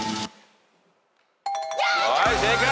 はい正解。